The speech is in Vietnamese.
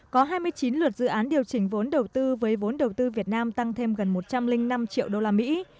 có hai mươi chín luật dự án điều chỉnh vốn đầu tư với vốn đầu tư việt nam tăng thêm gần một trăm linh năm triệu đô la mỹ